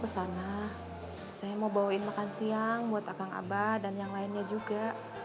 saya mau bawa makan siang buat akang abah dan yang lainnya juga